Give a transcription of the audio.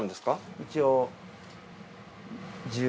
一応。